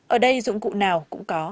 ở đây dụng cụ nào cũng có